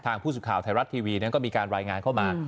ทางผู้สุข่าวไทยรัฐทีวีก็มีการรายงานเข้ามา